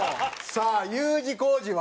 さあＵ字工事は？